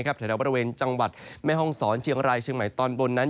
แถวบริเวณจังหวัดแม่ห้องศรเชียงรายเชียงใหม่ตอนบนนั้น